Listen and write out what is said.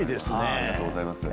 ありがとうございます。